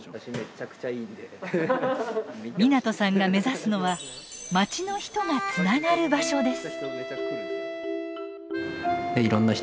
湊さんが目指すのはまちの人がつながる場所です。